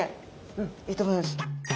うんいいと思います。